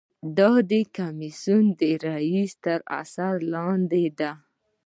دا د کمیسیون د رییس تر اثر لاندې ده.